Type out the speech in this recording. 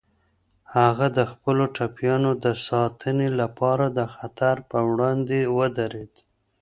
هغه د خپلو ټپيانو د ساتنې لپاره د خطر په وړاندې ودرید.